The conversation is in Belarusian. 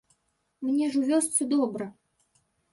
Мне ж у вёсцы добра.